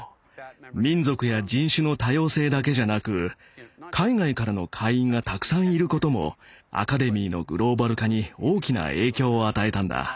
民族や人種の多様性だけじゃなく海外からの会員がたくさんいることもアカデミーのグローバル化に大きな影響を与えたんだ。